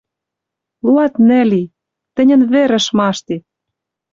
Луатнӹл и! Тӹньӹн — вӹр ышмаштет!